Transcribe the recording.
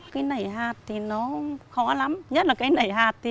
cái nảy hạt thì nó khó lắm nhất là cái nảy hạt